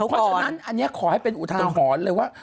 เพราะฉะนั้นอันนี้ขอให้เป็นอุทาหรณ์เลยว่า